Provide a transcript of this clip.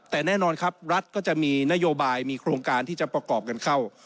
แต่แน่นอนครับรัฐก็จะมีนโยบายมีโครงการที่จะประกอบกันเข้า